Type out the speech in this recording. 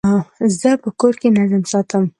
زه په کور کي نظم ساتم.